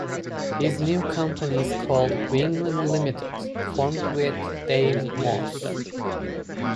His new company is called Wingman Limited, formed with Dave Moss.